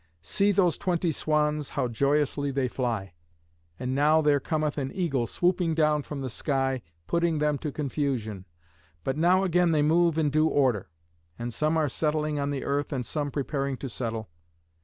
See those twenty swans, how joyously they fly! And now there cometh an eagle swooping down from the sky, putting them to confusion, but now again they move in due order, and some are settling on the earth and some preparing to settle.